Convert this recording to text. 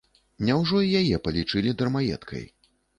Няўжо і яе палічылі дармаедкай?